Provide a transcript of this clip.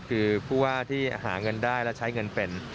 คือผู้ว่าที่หาเงินได้และใช้เงินเป็น